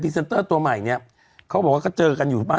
เซนเตอร์ตัวใหม่เนี่ยเขาบอกว่าก็เจอกันอยู่บ้าน